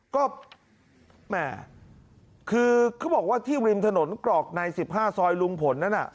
ก็แหม่คือเขาบอกว่าที่ริมถนนกรอกใน๑๕ซอยลุงผลนั้น